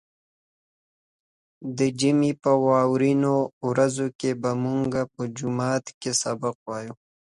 د ژمي په واورينو ورځو کې به موږ په جومات کې سبق وايه.